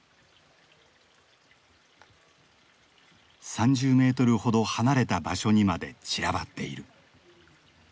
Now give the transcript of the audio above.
３０メートルほど離れた場所にまで散らばっている。